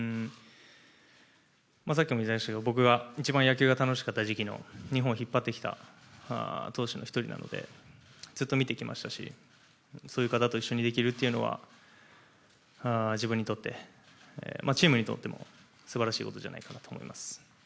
さっきも言いましたけど僕が一番、野球が楽しかった時期の日本を引っ張ってきた投手の１人ですしずっと見てきましたしそういう方と一緒にできるというのは自分にとってチームにとっても素晴らしいことじゃないかなと思います。